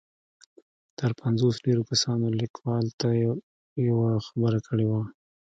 تر پنځوس ډېرو کسانو ليکوال ته يوه خبره کړې ده.